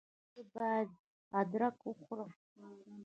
ایا زه باید ادرک وخورم؟